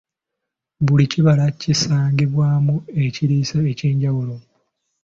Buli kibala kisangibwamu ekiriisa eky’enjawulo.